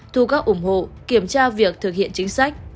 thu các ủng hộ kiểm tra việc thực hiện chính sách